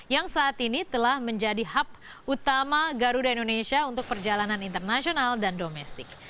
yang saat ini telah menjadi hub utama garuda indonesia untuk perjalanan internasional dan domestik